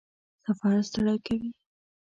سفر ستړی کوي؟